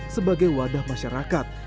sebagai wadah masyarakat